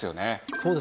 そうです。